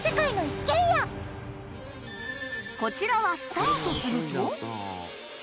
こちらはスタートすると